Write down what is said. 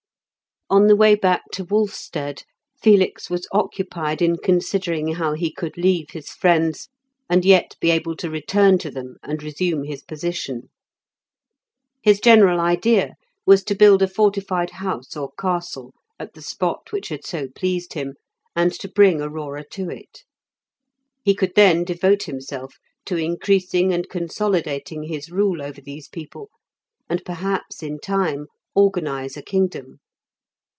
On the way back to Wolfstead Felix was occupied in considering how he could leave his friends, and yet be able to return to them and resume his position. His general idea was to build a fortified house or castle at the spot which had so pleased him, and to bring Aurora to it. He could then devote himself to increasing and consolidating his rule over these people, and perhaps in time organize a kingdom.